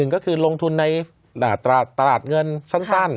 ก็คือลงทุนในตลาดเงินสั้น